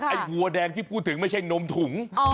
วัวแดงที่พูดถึงไม่ใช่นมถุง